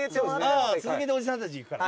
続けておじさんたちいくから。